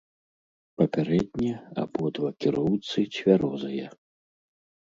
Папярэдне абодва кіроўцы цвярозыя.